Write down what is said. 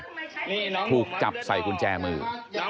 นี่ถูกจับใส่กุญแจมือ